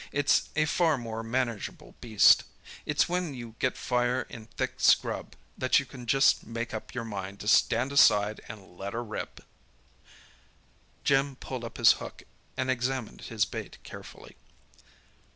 It's a far more manageable beast. It's when you get fire in thick scrub that you can just make up your mind to stand aside and let her rip!" Jim pulled up his book and examined his bait carefully.